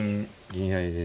銀合いで。